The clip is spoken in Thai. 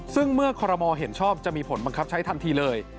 ซึ่งเมื่อคอรมอลเห็นชอบจะมีผลบังคับใช้ทันทีเลย